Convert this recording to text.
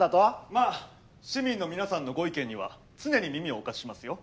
まあ市民の皆さんのご意見には常に耳をお貸ししますよ。